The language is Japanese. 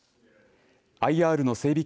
ＩＲの整備